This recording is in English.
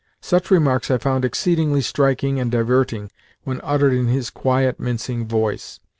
Such remarks I found exceedingly striking and diverting when uttered in his quiet, mincing voice.